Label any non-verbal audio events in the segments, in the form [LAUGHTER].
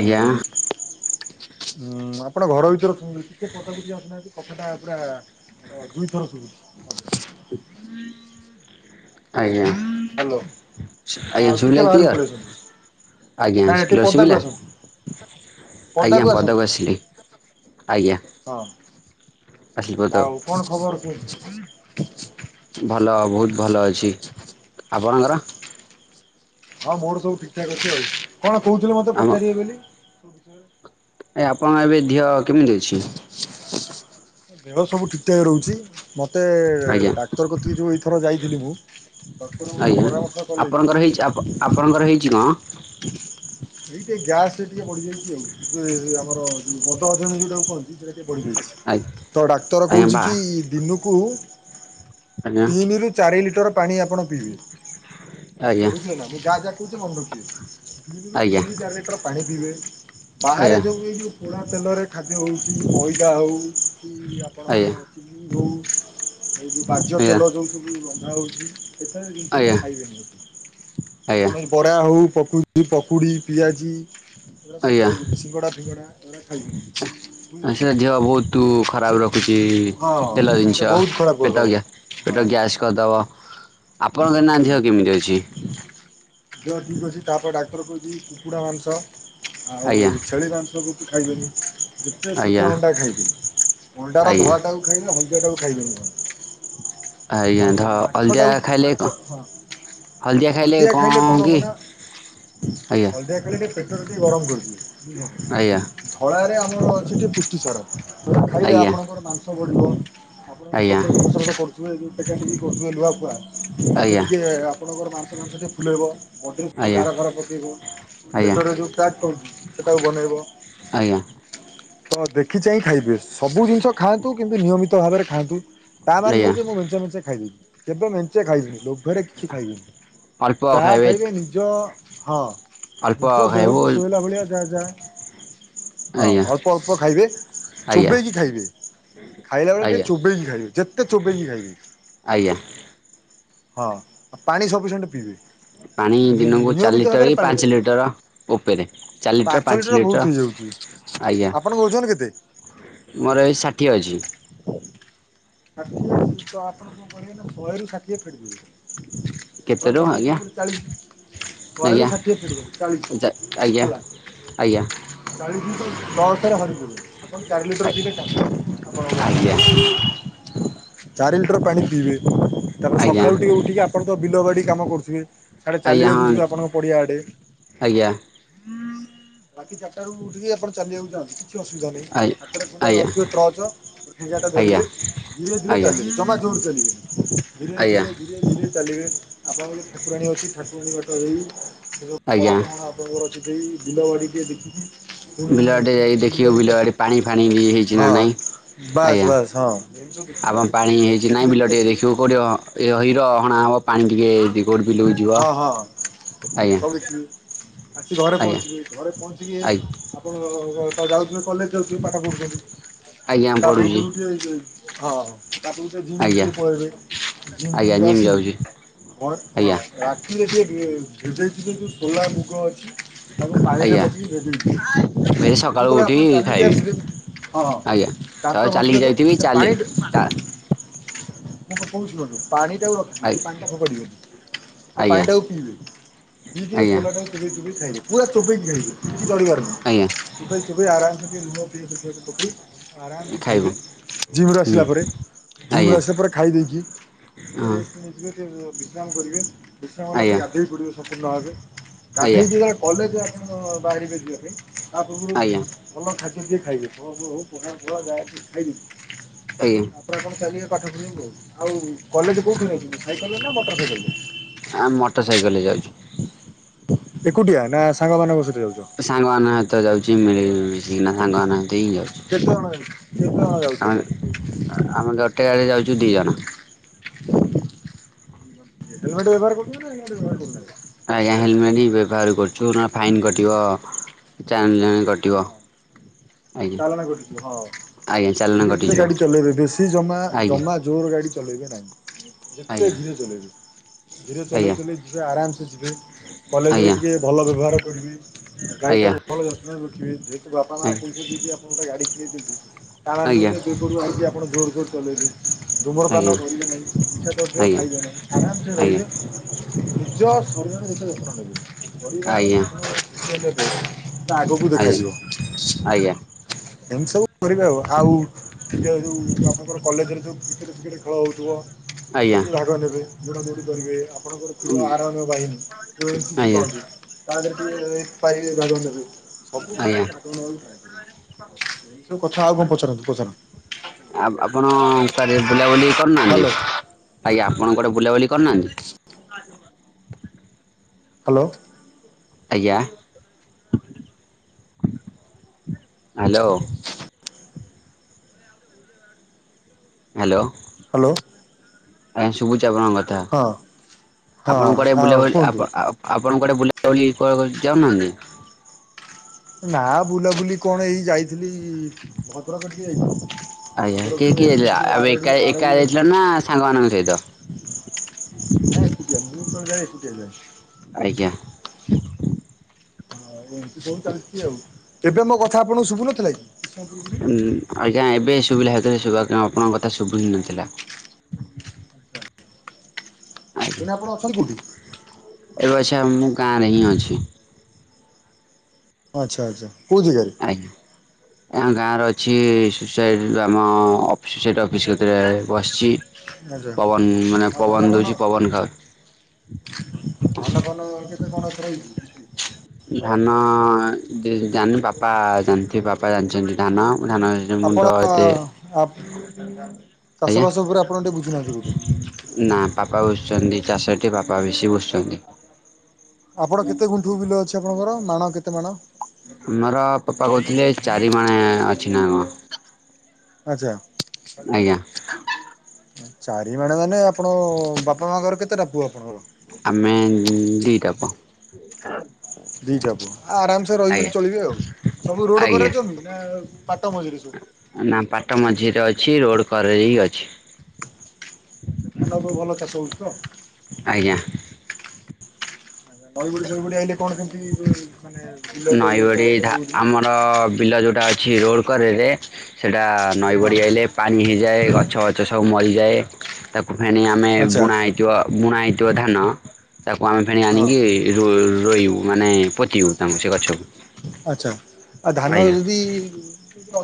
ଆଜ୍ଞା ହୁଁ ମ ଆପଣ ଘର ଭିତରେ ଶୁଣୁଛନ୍ତି ପଦାକୁ ଟିକେ ଆସୁନାହାନ୍ତି କଥାଟା ପୁରା ଦୁଇଥର ଶୁଭୁଛି। ଆଜ୍ଞା। ହାଲୋ ନା ଆଜ୍ଞା ଆଉ ଟିକେ ଶୁଭିଲା ବାହାରକୁ ପଳେଇ ଆସନ୍ତୁ କ୍ଲିଅର ଆଜ୍ଞା ନାଇଁ ଟିକେ କ୍ଲିଅର ପଦାକୁ ଶୁଭିଲା ଆସନ୍ତୁ ଆଜ୍ଞା ପଦାକୁ ଆସିଲି ଆଜ୍ଞା। ହଁ। ଆସିଲି ପଦାକୁ ଆଉ କଣ ଖବର କୁହ। ଭଲ ବହୁତ ଭଲ ଅଛି ଆପଣଙ୍କର। ହଁ ମୋର ସବୁ ଠିକ ଠାକ୍ ଅଛି ଆଉ। କଣ କହୁଥିଲେ ମୋତେ ଆମ ପଚାରିବେ ବୋଲି? ସାର୍ [INAUDIBLE] ଏ ଆପଣଙ୍କ ଏବେ ଦେହ କେମିତି ଅଛି? ଦେହ ସବୁ ଠିକ୍ ଠାକ ରହୁଛି। ମତେ ଆଜ୍ଞା ଡାକ୍ତର କରିଥିଲି ଯୋଉ ଏଇଥର ଯାଇ ଦିନିବୁ [UNINTELLIGIBLE] ଆଜ୍ଞା ଆପଣଙ୍କର ହେଇଛି - ଅପ - ଆପଣଙ୍କର ହେଇଛି କଣ? ଏଇ ଟିକେ ଗ୍ୟାସ ରେ ଟିକେ ବଢ଼ିଯାଇଛି ଆଉ ଆମର ଯୋଉ ବଧହଜମି ଯୋଉଟାକୁ କୁହନ୍ତି ସେଟା। ବଢ଼ିଯାଇଛି। ଆ ତ ଡାକ୍ତର ଆଜ୍ଞା କହୁଛି ବା କି ଦିନକୁ [INAUDIBLE] ଆଜ୍ଞା ତିନି ରୁ ଚାରି ପାଣି ଆପଣ ଆଜ୍ଞା ଆଜ୍ଞା ବୁଝିଲା ନା ମୁ ଯାହା ଯାହା କହୁଛି ମନେ ରଖିବେ ତିନି ରୁ ଆଜ୍ଞା ତିନି ଚାରି ଲିଟର ପାଣି ପିଇବେ। ହ [INAUDIBLE] ବାହାରେ ଆଜ୍ଞା ଯୋଉ ଏ ଯୋଉ ତେଲରେ ଖାଦ୍ୟ ହେଉଛି ମଇଦା ହେଉ କି ଆଜ୍ଞା ଆପଣଙ୍କର ଚିନି ହଉ [INAUDIBLE] ଏଇ ଯେଉଁ କାଜ୍ୟ ତେଲ ଯେଉଁ ସବୁ ରଉଛି [UNINTELLIGIBLE] ସେଥିର ଜିନିଷ ଗୁଡ଼ା ଖାଇବେନି ଆପଣଙ୍କ ବରା ହେଉ ପକୁଡ଼ି -ପକୁଡ଼ି ପିଆଜି ଏଗୁଡ଼ା ଆଜ୍ଞା ସବୁ ଆଜ୍ଞା ଆଜ୍ଞା ଖାଇବେନି ସିଙ୍ଗଡ଼ା ଫିଙ୍ଗଡ଼ା ଏଗୁଡ଼ାକ ଖାଇବେନି କିଛି ବୁଝିଲ ନା। ସେଟା ଦେହ ବହୁତ ଖରାପ ଯେ ରଖୁଛି ତେଲ ହଁ ସେ ଜିନିଷ ବହୁତ ଖରାପ ପେଟ କରିଦବ ହଁ -ପେଟ ଗ୍ୟାସ୍ କରିଦେବ। ଆପଣଙ୍କ ନା ଦେହ କେମିତି ଅଛି? ଯଦି ବଛି ତାପ ଡାକ୍ତର କ ଯ କୁକୁଡ଼ା ମାଛ ଆଉ ଆଜ୍ଞା ଛେଳି ମାଂସକୁ ଖାଇବେନି ଯେତେ ଆଜ୍ଞା ସିଝା ଅଣ୍ଡା ଖାଇବେନି ଅଣ୍ଡାର ଆଜ୍ଞା ଧଳା ଟାକୁ ଖାଇଲେ ହ ଟା ଖାଇବେ। ଆଜ୍ଞା ଆଉ ତ ଅଲଦା ମାଛଟାକୁ ମାଛ ହଁ ହଳଦିଆ ଖାଇଲେ କଣ ହବ ନା ଆଜ୍ଞା ହଳଦିଆ ଖାଇଲେ। ସେଟର ଟିକଏ ଗରମ କରୁଛି। ଆଜ୍ଞା ଖଳାରେ ଆମ ଅଛିି ପୃଷ୍ଟି ସାର ଖାଇଲେ ଆଜ୍ଞା ଆପଣଙ୍କର ମାଂସ ବଢିବ। ଆଜ୍ଞା ଆପଣ ଫସ କରୁଥିବେେ ଟିକ କରୁଥିବେ ଲୁଆଖୁଆ ସେ ଆଜ୍ଞା ଟିକେ ଆପଣଙ୍କର ମାଂସ ମାଂସ ଟିକେ ଫୁଲେଇବ ଆଜ୍ଞା ବଡ୍ରି ଆଜ୍ଞା ଗାର ଫାରା ପକେଇବ ପେଟରେ ଯଉ ସେଟାକୁ ବନେଇବ? ଆଜ୍ଞା। ହ ଦେଖି ଚାହିଁ ଖାଇବି। ସବୁ ଜିନିଷ ଖାଆନ୍ତୁ କିନ୍ତୁ ନିୟମିତ ଭାବରେ ଖାଆନ୍ତୁ। ତା ମନେ ଆଜ୍ଞା ଆଜ୍ଞା ନୁହଁ ଯେ ମୁଁ ଲୁଚେଇ ଲୁଚେଇ ଖାଇଦବି। କେବେ ମେ କି ଖାଇବିନି ଲୋଭରେ କିଛି ଖାଇବନି ଅଳ୍ପ ଚାହା ଖାଇବେ ଖାଇଲେ ନିଜ ହଁ। ଅଳ୍ପ ନିଜ ଖାଇବୁ ଦେହକୁ ଶୋଇଲା ଭଳିଆ ଯାହାଯାଏ। ହଁ ଆଜ୍ଞା ଅଳ୍ପ ଅଳ୍ପ ଖାଇବେ ଆଜ୍ଞା ଚୋବେଇକି ଖାଇବେ ଖାଇଲା ବେଳେ ଟିକେ ଆଜ୍ଞା ଚୋବେଇକି ଖାଇବେ ଯେତେ ଚୋବେଇକି ଖାଇବେ ଆଜ୍ଞା ହଁ ଆ ପାଣି ସଫିସିଣ୍ଟ ପିଇବେ। ପାଣି ନି ଦିନକୁ ଚାରି ନିୟମିତ ଲିଟର ଭାବରେ କି ପାଣି ପାଞ୍ଚ ପିଇବେ ଲିଟର ଉପେରେ ଚାରି ଲିଟର ପାଞ୍ଚ ଲିଟର ଆଜ୍ଞା ଆପଣଙ୍କ ଓଜନ କେତେ? ମୋର ଏ ଷାଠିଏ ଅଛି। ଷାଠିଏ ତ ଆପଣ କଣ କହିବେ ନା ଶହେରୁ ଷାଠିଏ ଫେଟ ଯିବେ। କେତେରୁ ଶାଠିଏ ଆଜ୍ଞା ଫଟ ଚାଶ ଆଜ୍ଞା କହ ଷାଠିଏ ଫିଟଲେ ଚାଳିଶ ଆଜ୍ଞା ହେଲା ଆଜ୍ଞା ଚାଶ ନଳତରେ ହୁ ଆପଣ ଚାର ଲିଟର ଦିଲ କ ଆପଣ ଆଜ୍ଞା ଚାରି ଲିଟର ପାଣି ପିଇବେ। ତାଲେ ଆଜ୍ଞା ସକାଳୁ ଟିକେ ଉଠିକି ଆପଣ ତ ବିଲବାଡି କାମ କରୁଥିବେ। ଡେ ଆଜ୍ଞା ଚାଲିବାକୁ ହଁ ଯିବେ ଆପଣଙ୍କ ପଡିଆ ଆଡେ ଆଜ୍ଞା ବାକି ତାଠୁ ଉଠିକି ଆପଣ ଚାଲିବାକୁ ଚାଁନ୍ତି। କିଛି ଅସୁବିଧା ନାହିଁ ଆଜ୍ଞା ହାତରେ କଉଁଟା ଆଜ୍ଞା ଅସିବେ ଟ୍ରଚଠେଙ୍ଗଆଟା ଆଜ୍ଞା ଧରିବେ। ଧୀରେ ଧୀରେ ଆଜ୍ଞା ଚାଲେ ଜମା ଜୋର ଚଲିିବେନି ଧୀରେ ଆଜ୍ଞା ଧୀରେ ଧୀରେ। ଚାଲିବେ ଆପଣ ଠାକୁରାଣୀ ଅଛି ଠାକୁରାଣୀ ବାଟ ହେଇ ଯୋଉ [UNINTELLIGIBLE] ଆଜ୍ଞା ଆପଣଙ୍କର ଅଛି। ସେଇ ବିଲବାଡ଼ିି ଟିକିଏ ଦେଖିକି ପୁଣି ବିଲ ବାଡ଼ି ସେମିତି ବୁଲି ଦେଖିବୁ ବାଲିକି ବିଲ ବାଡ଼ି ରେ ଆସିବେ। ପାଣି ଫାଣି ହେଇଛି ନା ନାଇଁ ହଁ ବାସ୍ ଆଜ୍ଞା। ବାସ୍ ହଁ। ଏମିତି ସବୁ ଦେଖିବେ ଆପଣ ଆଉ ପାଣି ହେଇଛି ଦେଖି ନାଇଁ ବିଲ ଦେଖିକି ଟିକେ ଆସିବେ। ଦେଖିବୁ କୋଉଠି ହି ହିଡ ହଣା ହବ। ପାଣି ଟିକେ କି କୋଉଠି ବିଲକୁ ଯିବ ହଁ ହଁ। ସବୁ ଆଜ୍ଞା। ଦେଖିବେ ଆସି ଘରେ ଆଜ୍ଞା ପହଞ୍ଚିବି ଘରେ ପହଞ୍ଚିକି ଆଜ୍ଞା ଆପଣ ଯାଉ ଥିଲେ କଲେଜ୍ ଯାଉ ପାଠ ପଢୁଛନ୍ତି ଆଜ୍ଞା ତା ପଢ଼ୁଛି ପୂର୍ବରୁ ଟିକିଏ ଇଏ ହଁ। ତାପରକୁ ଟିକେ ଜିମ୍ ଆଜ୍ଞା କି ପଳେଇବେ ଜିମ୍ ଫିମ ଆଜ୍ଞା ରୁ ଆସି ଯାଉଛି ହଁ ଆଜ୍ଞା ରାତିରେ ଟିକେ ଏ ଭିଯେଇଥିବେ ଯୋଉ ସୋଲାମୁଗ ଅଛି। ତାକୁ ପାଣିରେ ଆଜ୍ଞା ପକେଇକି ଭେରି ଭିଜେଇଥିବେ ସକାଳୁ ଯେତେବେଳେ ଆପଣ ଉଠିକି ଚାଲିକି ଖାଇବି ଆସିବେ ହଁ ଆଜ୍ଞା ସକାଳୁ ତାପରେ ଚାଲିକି ମତେ ଯାଇଥିବି ସେ ଚାଲି ପାଣିରେ। ମୋ କଥା କୁ ଶୁଣନ୍ତୁ। ପାଣିଟାକୁ ଆଜ୍ଞା ରଖିଥିବେ ସେ ପାଣିଟାକୁ ଫୋପାଡ଼ିବେନି ସେ ଆଜ୍ଞା ପାଣିଟାକୁ ପିଇବେନି ପିଇ ଦେବେ ଆଜ୍ଞା ସୋଲାଟାକୁ ଚୋବେଇ ଚୁବେେଇ ଖାଇ। ପୁରା ଯୋବେଇକି ଖାଇବେ। [UNINTELLIGIBLE] କରିବାର ଆଜ୍ଞା ନାହିଁ ଚୋବେଇ ଚୋବେଇ ଆରାମ ସେ ଖାଇବେ। ଏ ନଦୀ ଦେଖା ଯାଉଚି ପୋଖରୀ। ଆରାମ ସେ ଖାଇବୁ ଖାଇବେ ଜିମ ରୁ ହୁଁ ଆସିଲା ପରେ ଜିମ ଆଜ୍ଞା ରୁ ଆସିଲା ପରେ ଖାଇ ଦେଇକି ଟିକେ ହଁ ରେଷ୍ଟ୍ ନେଇଯିବେ ସେ ୱ ବିଶ୍ରାମ କରିବେ। ବିଛଣାକୁ ଗଲା ଆଜ୍ଞା ପରେ ଗାଧୋଇ ପଡ଼ିବେ ସମ୍ପୂର୍ଣ୍ଣ ଭାବରେ ଆଜ୍ଞା ଗାଧୋଇକି କଲେଜ ଆସି ମୁଁ ବାଇକ୍ ରେ ଯିବି। ଆ ପୂର୍ବରୁ ଆଜ୍ଞା [UNINTELLIGIBLE] ଏ ଖାଇବେ। ଆଜ୍ଞା ଆପଣ କଣ ଖାଲି ଆସୁ [UNINTELLIGIBLE] ଆଉ କଲେଜ କୋଉଥିରେ ଯାଉଛୁ, ସାଇକେଲରେ ନା ମଟର ସାଇକେଲରେ। ଆମ୍ ମଟର ସାଇକେଲରେ ଯାଉଛୁ। ଏକୁଟିଆ ନା ସାଙ୍ଗମାନଙ୍କ ସହ। ସାଙ୍ଗ ମାନଙ୍କ ହାତ ଯାଉଛୁ। [UNINTELLIGIBLE] [UNINTELLIGIBLE] ଯାଉଛ ଆ ଆମେ ଗୋଟେ ଗାଡିରେ ଯାଉଚୁ। ଜୁ ଦି ଜଣ [UNINTELLIGIBLE] ଆଜ୍ଞା ହେଲମେଟ ହି ବ୍ୟବହାର କରୁଛୁ। ସୁନ ଫାଇନ୍ କଟିବ। [UNINTELLIGIBLE] [INAUDIBLE] ଆଜ୍ଞା ଚାଲାଣ କଟୁଚି ହଁ, ଆଜ୍ଞା ଚାଲାଣ ଧୀରେ ଧୀରେ କଟିଯିବ ଗାଡି ଚଲେଇବେ ବେଶୀ ଜମା ଆଜ୍ଞା ଜମା ଜୋର ଗାଡି ଚଲେଇବେ ନାଇ। ଯେତେ ଆଜ୍ଞା ଆଜ୍ଞା ଧୀରେ ଚଲେଇବି ଧୀରେ ଚଲେଇ ଚଲେଇ ଝିଅ ଆରାମସ କଲେଜରେ ଆଜ୍ଞା ଟିକେ ଭଲ ବ୍ୟବହାର କରିବେ। ଆଜ୍ଞା ଆଜ୍ଞା ଗାଈଟାକୁ ଭଲ ଯତ୍ନରେ ରଖିବେ। ଯେହେତୁ ବାପା ମା ପୁ ମୁଁ ଗୋଟେ ଗାଡ଼ି କିଣି ଦେଇଛି। [UNINTELLIGIBLE] [UNINTELLIGIBLE] ଆଜ୍ଞା ଆଜ୍ଞା ଆଜ୍ଞା ଆଜ୍ଞା ଆଜ୍ଞା ଧୁମ୍ରପାନ ଆଜ୍ଞା କରିବେ ନାହିଁ, ନିଶାଦ୍ରବ୍ୟ ଖାଇବେ ନାହିଁ। ଆରାମସେ ରହିବେ ନିଜ ଶରୀର [UNINTELLIGIBLE] [INAUDIBLE] [INAUDIBLE] ତା ଆଜ୍ଞା ଆଗକୁ ଦେଖାଯିବ। ଏମ ସବୁ କରିବେ ଓ ଆଉ ସେ ଜଉ ଆପଣଙ୍କର କଲେଜ ରେ ଜଉ କ୍ରିକେଟ୍ ଫିକେଟ ଖେଳ ହୋଉଥିବ। [UNINTELLIGIBLE] ଗୁଡା ଗୁଡ଼ି କରିବେ ଆ ଆପଣଙ୍କର ଥିବା ଆରାମ ବାହିନୀ ଯଉଟା କି ଆଜ୍ଞା ସ୍କୁଟି ଆଜ୍ଞା କହନ୍ତି, ତା ଦେହରେ ଟିକେ ପାଇ [INAUDIBLE] ଆଜ୍ଞା [UNINTELLIGIBLE] ଆ ଆପଣ କୁଆଡେ ବୁଲା କରୁନାହାନ୍ତି ହ୍ୟାଲୋ ଆଜ୍ଞା। ଆପଣ କୁଆଡେ ବୁଲାବୁଲି କରିନାହାନ୍ତି। ହ୍ୟାଲୋ। ଆଜ୍ଞା ହ୍ୟାଲୋ। ହ୍ୟାଲୋ। ହ୍ୟାଲୋ। ଆଜ୍ଞା ସୁବୁଚି ଆପଣ କଥା ହଁ ହଁ ଆପଣ ଆଉ ବୁଲାବୁଲି କୁହନ୍ତୁ ଆପ ଆପ ଆପଣଙ୍କ କୁଆଡେ ବୁଲାବୁଲି ଯାଉନାହାନ୍ତି। ନା ବୁଲାବୁଲି କଣ ଏଇ ଯାଇଥିଲି ଭଦ୍ରକ ଟିକି ଯାଇଥିଲି। ଆଜ୍ଞା କିଏ ଭଦ୍ରକକୁ କିଏ ଯାଇଥିଲି ଯାଇଥିଲେ ଏଠି ଯୋଉ ଆ ଆରଡ଼ି ଏକା ଏକା ଆରଡ଼ି ଯାଇଥିଲ ନା ସାଙ୍ଗମାନାନଙ୍କ ସହିତ। ନାଇଁ ଏକୁଟିଆ ମୁଁ ଏକୁଟିଆ ଯାଇଚି। ଆଜ୍ଞା। [INAUDIBLE] କଣ ଚାଲିଛି ଆଉ ତବେ ମୋ କଥା କଥା ଆପଣଙ୍କୁ ଶୁଭୁନଥିଲା କି? କିଛି ସମୟ ପୂର୍ବରୁ ହୁଁ ଆଜ୍ଞା ଏବେ ସୁବିଲା ହେତେ ବେଳେ ସୁବା। ଆପଣଙ୍କ କଥା ଶୁଭୁ ହିଁ ନଥିଲା। ଏବେ ଆପଣ ଅଛନ୍ତି କୋଉଠି। ଏବେଛ ମୁଁ ଗାଓଁ ରେ ଅଛି। ଆଚ୍ଛା ଆଚ୍ଛା। କୋଉ ଜେଗାରେ। ଆ ଗାଁର ଅଛି ସୁସାଇଡ଼ ଆମ ସୁସାଇଡ଼ ଅଫିସ୍ କତିରେ ବସିଛି। ଆଜ୍ଞା ପବନ ମାନେ ଆଉ ପବନ ଧାନ ଦଉଛି ଫାନ ପବନ ଖାଉଛି। ଧାନ ଫାନ କେତେ କଣ ଏଥର ହେଇଛି। ଧାନ ଜାନି ବାପା ଜାଣିଥିବେ ବାପା ଜାଣିଛନ୍ତି ଧାନ। ଧାନ ଆପଣ ମୁଣ୍ଡ ଏତେ ଚାଷ ଆଜ୍ଞା ବାସ ଉପରେ ଆପଣ ଟିକେ ବୁଝୁନାହାନ୍ତି ବୋଧେ? ନା ପାପା ବଝୁଛନ୍ତି। ଚାଷଟି ବାପା ବେଶୀ ବୁସୁଛନ୍ତି। ଆପଣ କେତେ ଗୁଣ୍ଠୁ ବିଲ ଅଛି? ଆପଣଙ୍କର ମାଣ କେତେ ମାଣ? ଆମର ପାପା କହୁଥିଲେ ଚାରି ମଣେ ଅଛି ନା କଣ। ଆଚ୍ଛା। ଆଜ୍ଞା। ଚାରି ମାଣେ ମାନେ ଅପ ଆପଣ ବାପା ମାଙ୍କର କେତେଟା। ପୁଅ ଆପଣଙ୍କର। ଆମେ ଦିଟା ପୁଅ। ଦିଟା ପୁଅ ଆରାମସ ରହି ଆଜ୍ଞା ଚଳିବେ ଆଉ ସବୁ ରୋଡ ଆଜ୍ଞା। କରଛନ୍ତି ନା ପାଟ ମଜୁରୀ ନା ପାଟ ସବୁ। ମଝିରେ ଅଛି ରୋଡ କରେ ଅଛି। ଆଛା ଧାନ ଭଲ ଚାଷ ହଉଛି ତ। ଆଜ୍ଞା। ବାଇ ଭଳି ବବଳି ଆଇିଲ କଣ କେ ହୁଁ ହ। ନଈ ଭଡି ଧା ଆମର ବିଲ ଯୋଉଟା ଅଛି। ଛି ରୋଡ଼ କରରେ ସେଇଟା ନଈ ହଁ ବଡ଼ି ଆଇଲେ ପାଣି ହେଇଯାଏ, ଗଛ ଗଛ ସବୁ ମରି ଯଏ ତା ଫି ଆମେ ଆଚ୍ଛା ବୁଣାଇ ବୁଣାଇ [UNINTELLIGIBLE] ଧାନ। ତାକୁ ଆମେ ଫେଣି ହଁ। ଆଣିକି ରୋଇ ରୋଇବୁ। ମାନେ ପତିଉ ତାଙ୍କୁ ସେ ଗଛକୁ। ଆଛା ଆଉ ଧାନ ଆଜ୍ଞା ଯଦି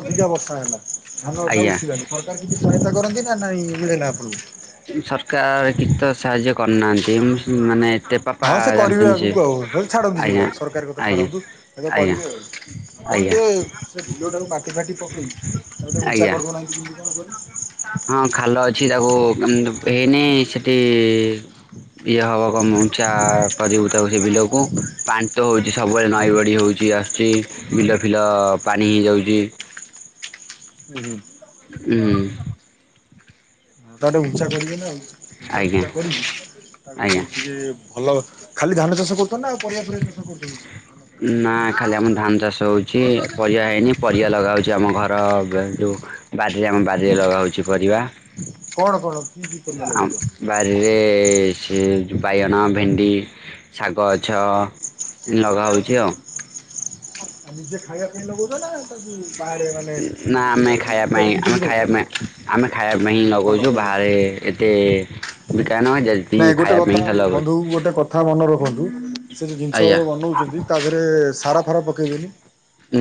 ଅଧିକା ବର୍ଷା ହେଲା। ଧାନ ଅଛ ଆଜ୍ଞା ଉଠିଲାଣି ସରକାର କିଛି ସହାୟତା କରନ୍ତି। ଏ ନାଇ ଇଡ଼େ ଆପ ସରକାର ଗୀତ ସାହାଯ୍ୟ କରିୁନାହାନ୍ତି ମାନେ ଏତେ ପାପା ହଁ ସେ କରିବେ ଜାଣିଛନ୍ତି ସେ ଆଗକୁ ଆଉ ଛାଡନ୍ତୁ ଆଜ୍ଞା ସେଗୁଡା ସରକାର କଥା ଆଜ୍ଞା ଛାଡନ୍ତୁ, ଆଜ୍ଞା କରିବେ ଆଉ କଣ ଆଜ୍ଞା ଟିକେ ସେ ବିଲା ଟିକାଟି ପକେଇ ତାକୁ ଟିକେ ଉଞ୍ଚା ଆଜ୍ଞା କରିଦଉନାହାନ୍ତି କେମିତି କଣ କରି? ହଁ ଖାଲ ଅଛି ତାକୁ [UNINTELLIGIBLE] ହେଇନି ସେଠି ଇଏ ହବ। ଗମଚା କରିବ। ସେ ବିଲକୁ ପାଣି ତ ହଉଛି ତାକୁ ସବୁବେଳେ ନଈ ବଡି ହଉଛି ଆସୁଛି ବିଲ ଫିଲ ପାଣି ହେଇଯାଉଛି। ହୁଁ। ହଁ ତାେ ହୁଂଞ୍ଚା କରିବେ ନା ଆଉ। ଫୁଞ୍ଚା ଆଜ୍ଞା ଫୁଞ୍ଚା କରିବି ଆଜ୍ଞା ତାକୁ ଟିକେ ଭଲ ଖାଲି ଧାନ ଚାଷ କ ନା ଖାଲି ଆମର ଧାନ ଚାଷ ହଉ କିଛି ପରିବା ହେଇନି ପରିବା ଲଗାହଉଛି ଆମ ଘର ଯେଉଁ ବାରିରେ ଆମ ବାରିରେ ଲଗାହେଉଛି ପରିବା। କଣ କଣ? କି କି ପରିବା ଆ ଲଗଉଛ? ବାରିରେ ସେ ବାଇଗଣ ଭେଣ୍ଡି ଶାଗ ଗଛ ଲଗାହେଉଛି ଆଉ। ନିଜେ ଖାଇବା ପାଇଁ ଲଗଉଛ ନା? ଖାଲି ନା ଆମେ ଖାଇବା ପାଇଁ ବିକି କିଛି ଆମେ କରୁଛ? ଖାଇବା ପାଇଁ ଆମେ ଖାଇବା ପାଇଁ ହିଁ ଭଲ ଲଗଉଛୁ ଭଲ ବାହାରେ ଏତେ ବିକା ନ ଯଦି ନାଇଁ ଗୋଟେ ଖାଇବା ପାଇଁ କଥା ଖାଲି ଲଗଉଛୁ। ବନ୍ଧୁ ଗୋଟେ କଥା ମନେ ରଖନ୍ତୁ ସେ ଯୋଉ ଜିନିଷ ଆଜ୍ଞା। ବନଉଛନ୍ତି ତାପରେ ସାର ଫାର ପକେଇବେନି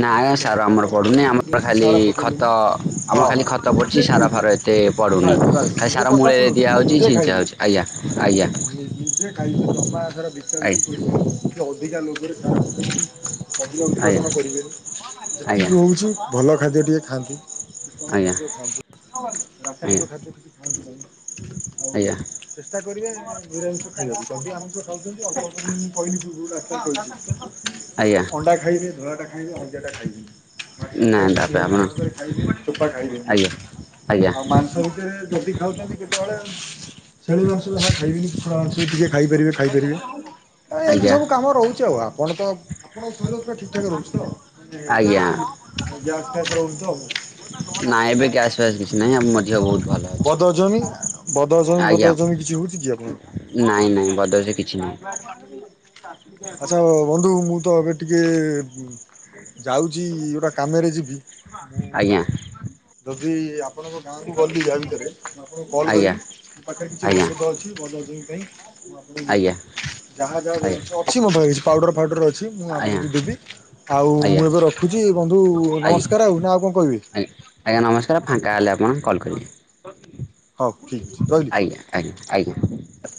ନାଁ ମାନେ ସାର ଖତ ଆମର ଫତ ପଡୁନି ଦେବେ ଆମର ବେଶୀ ଖାଲି ସାର ପକେଇବେନି ଖତ ଆମର ହଁ ଖାଲି ଖତ ନିଜେ ପଡୁଛି ସାର ଖାଇବେ ଫାର ଏତେ ପଡୁନି ବାସ୍ ବାସ୍ ଖାଲି ସାର ମୂଳେ ଦିଆହଉଛି ଛିଞ୍ଚା ହଉଛି ଆଜ୍ଞା। ଆଜ୍ଞା ନି ନିଜେ ଖାଇବେ ଜମା ଏଥର ଦୀକ୍ଷା ଆଜ୍ଞା ଦୁଖି କରିବେନି। ଅଧିକା ଲୋ [UNINTELLIGIBLE] ଅଧିକ ଆଜ୍ଞା ଉତ୍ପାଦନ କରିବେନି ଆଜ୍ଞା ଯେତିକି ହେଉଛି ଭଲ ଖାଦ୍ୟଟିିକେ ଖାଆନ୍ତୁ ଉତ୍ତମ ଆଜ୍ଞା ଖାଦ୍ୟ ଖାଆନ୍ତୁ ରାସାୟନିକ ଖାଦ୍ୟ କିଛି ଖାଆନ୍ତୁ ନାହିଁ। ହଉ। ଆଜ୍ଞା ଆଜ୍ଞା ଷ୍ଟା କରିବେ ନିରାମିଷ ଖାଇବାକୁ ଯଦି ଆମିଷ ଖାଉଛନ୍ତି ଅଳ୍ପ ଅଳ୍ପ ଦିନ କହିବି [UNINTELLIGIBLE] ପୂର୍ବରୁ ଆଜ୍ଞା ଅଣ୍ଡା ଖାଇଲେ ଧଳାଟା ଖା ନାଇ ସେ ହଳଦିଆଟା ଖାଇବିନୀ। ମାଛ ନା ଖାଇବେ ତାପରେ ଆପଣ ନିୟମିତ ଭାବରେ ଖାଇବେ ଚୋପା ଖାଇବେନି ଆଜ୍ଞା ଆଜ୍ଞା ଆଉ ମାଂସ ଭିତରେ ଯଦି ଯାଉଛନ୍ତି କେତେବେଳେ? ଛେଳି ମାଂସ ଯୀହା ଖାଇବିନି ଟିକେ ଖାଇପାରିବେ ଖାଇପାରିବେ। ଏ ଏମିତି ଆଜ୍ଞା ସବୁ କାମ ରହୁଛି ଆଉ ଆପ କଣ ତ ଆପଣଙ୍କ ଶରୀର ପୁରା ଠିକଠାକ୍ ରହୁଛି ତ? ଆଜ୍ଞା [UNINTELLIGIBLE] ଗ୍ୟାସ୍ ଏକା ଏକା ରହିଛି ତ। ନାଇଁ ଏବେ ଗ୍ୟାସ୍ ଫାସ୍ କିଛି ନାହିଁ ଆମ ଦେହ ବହୁତ୍ ଭଲ ବଦ ହଜମି ଅଛି। ବଦ ହଜମି ଆଜ୍ଞା। ତମେ କିଛି ହଉଛି କି ଆପଣ? ନାଇଁ ନାଇଁ ବଦଳି କିଛି ନାହିଁ। ଆଚ୍ଛା ବନ୍ଧୁ ମୁଁ ତ ଏବେ ଟିକେ ଯାଉଛି ଗୋଟା କାମରେ ଯିବି ମୁଁ ଆଜ୍ଞା [UNINTELLIGIBLE] ଆପଣଙ୍କ ଗାଁକୁ ଗଲି ଯାହା ଭିତରେ ମୁଁ ଆପଣଙ୍କୁ କଲ୍ ଆଜ୍ଞା କରିବି ମୋ ପାଖରେ କିଛି ଆଜ୍ଞା ଔଷଧ ଅଛି ବଦହଜମି ପାଇଁ ମୁଁ ଆପଣଙ୍କୁ ଦେବି ଆଜ୍ଞା ଯାହା ଆଜ୍ଞା ଯାହା ଜିନିଷ ପାଉଡର ଫାଉଡର ଅଛି ମୁଁ ଆଜ୍ଞା ଆପଣଙ୍କୁ ଦେବି ଆଉ ଆଜ୍ଞା ମୁଁ ଏବେ ରଖୁଛି ବନ୍ଧୁ ଆଜ୍ଞା ଆଜ୍ଞା ନମସ୍କାର ଆଉ ନା ଆଉ କଣ କହିବେ? ମୁଁ କଲ କରିବି। ହଉ ଠିକ୍ ଅଛି ରହିଲି। ଆଜ୍ଞା ଆଜ୍ଞା ଆଜ୍ଞା।